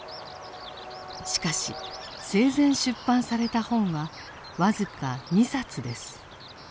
しかし生前出版された本は僅か２冊です。